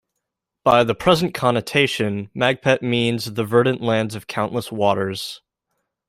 By the present connotation, Magpet means "the verdant lands of countless waters".